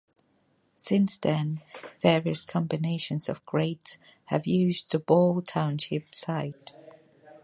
Since then various combinations of grades have used the Ball Township site.